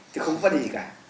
thì không có gì cả